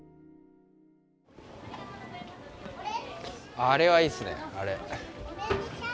あれはいいっすねあれ。